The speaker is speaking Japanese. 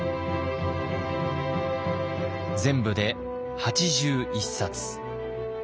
全部で８１冊。